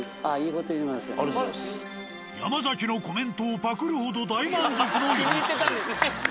山崎のコメントをパクるほど大満足の様子。